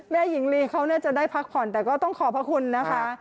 หญิงลีเขาน่าจะได้พักผ่อนแต่ก็ต้องขอบพระคุณนะคะ